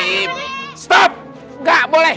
kita pulih kebukarannya ya ibu